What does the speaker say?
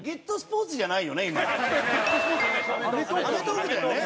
『アメトーーク』だよね？